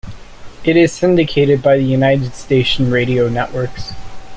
It is syndicated by the United Stations Radio Networks.